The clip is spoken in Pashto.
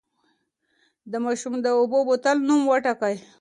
د ماشوم د اوبو بوتل نوم وټاکئ.